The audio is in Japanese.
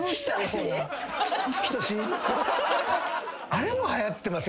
あれもはやってます。